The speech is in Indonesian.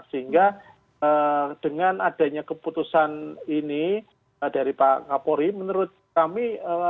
sehingga dengan adanya keputusan ini dari pak kapolri menurut kami